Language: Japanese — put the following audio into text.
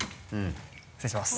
失礼します。